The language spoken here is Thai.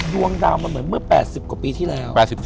อยู่ที่แม่ศรีวิรัยิลครับ